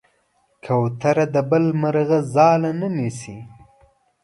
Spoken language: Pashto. کوتره د بل مرغه ځاله نه نیسي.